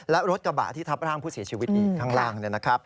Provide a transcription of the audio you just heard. และรถกระบะที่ทับร่างผู้เสียชีวิตอีกข้างล่าง